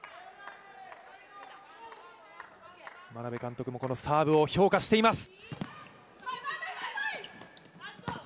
眞鍋監督もこのサーブを評価しています。